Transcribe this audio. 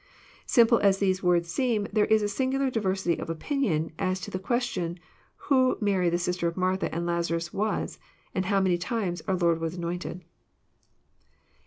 Simple as these words seem, there is a singular diversity of opinion as to the question who Mary the sister of Martha and Lazarus was, and how many times our Lord was anointed.